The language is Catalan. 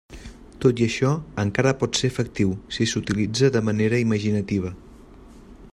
Tot i això, encara pot ser efectiu si s'utilitza de manera imaginativa.